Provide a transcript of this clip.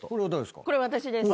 これ私です。